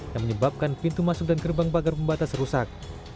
yang menyebabkan pintu masuk dan gerbang pagar pembatas rusak